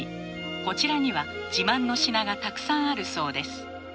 こちらには自慢の品がたくさんあるそうです。